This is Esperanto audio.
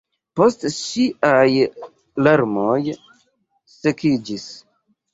Poste ŝiaj larmoj sekiĝis.